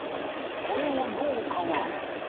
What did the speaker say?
それを農家は。